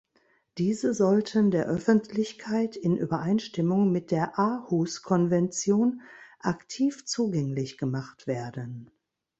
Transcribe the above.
Diese sollten der Öffentlichkeit in Übereinstimmung mit der Aarhus-Konvention aktiv zugänglich gemacht werden.